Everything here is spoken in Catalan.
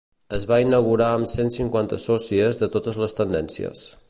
Es va inaugurar amb cent cinquanta sòcies de totes les tendències.